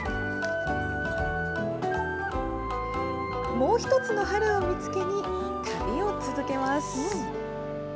もう１つの春を見つけに、旅を続けます。